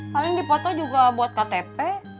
paling dipoto juga buat ktp